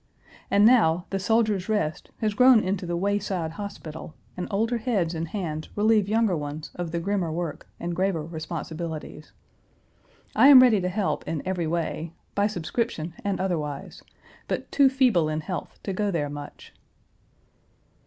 And now, the "Soldiers' Rest" has grown into the Wayside Hospital, and older heads and hands relieve younger ones of the grimmer work and graver responsibilities. I am ready to help in every way, by subscription and otherwise, but too feeble in health to go there much.